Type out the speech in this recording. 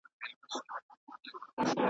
چي په کور کي د بادار وي ټول ښاغلي .